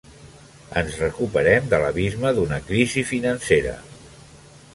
Ens recuperem de l'abisme d'una crisi financera.